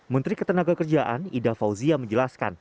menteri ketenagakerjaan ida fauzia menjelaskan